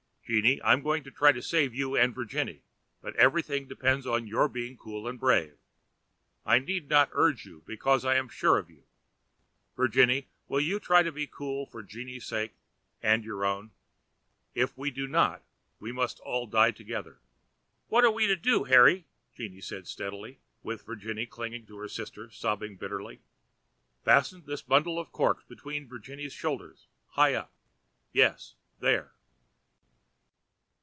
"Jeanne, I am going to try to save you and Virginie, but everything depends upon your being cool and brave. I need not urge you, because I am sure of you. Virginie, will you try to be cool for Jeanne's sake and your own? If you do not we must all die together." "What are we to do, Harry?" Jeanne said steadily; while Virginie clung to her sister, sobbing bitterly. "Fasten this bundle of corks between Virginie's shoulders, high up—yes, there."